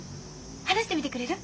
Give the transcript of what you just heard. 話してみてくれる？